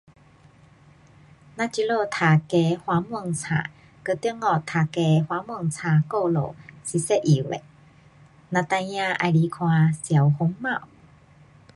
咱这里读的华文书，跟中国读的华文书故事是一样的。咱孩儿喜欢看小红帽。